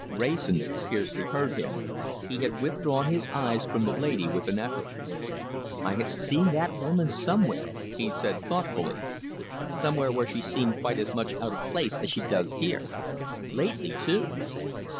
Wrayson scarcely heard him. He had withdrawn his eyes from the lady with an effort. "I have seen that woman somewhere," he said thoughtfully "somewhere where she seemed quite as much out of place as she does here. Lately, too."